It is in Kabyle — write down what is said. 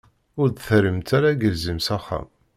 Ur d-terrimt ara agelzim s axxam.